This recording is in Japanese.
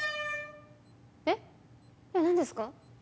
えっえっ何ですか？